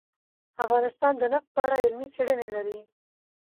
افغانستان د نفت په اړه علمي څېړنې لري.